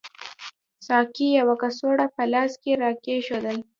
ساقي یوه کڅوړه په لاس کې راکېښودل.